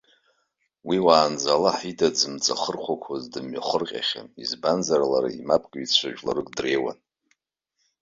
Уи, уаанӡа Аллаҳ ида дзымҵахырхәақәоз дымҩахырҟьахьан, избанзар лара имапкыҩцәаз жәларык дреиуан.